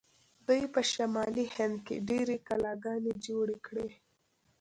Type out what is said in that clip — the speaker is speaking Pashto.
دوی په شمالي هند کې ډیرې کلاګانې جوړې کړې.